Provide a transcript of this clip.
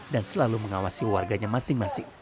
dan selalu mengawasi warganya masing masing